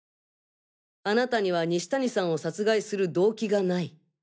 あなたには西谷さんを殺害する動機がない。